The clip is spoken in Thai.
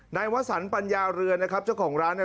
วสันปัญญาเรือนนะครับเจ้าของร้านเนี่ย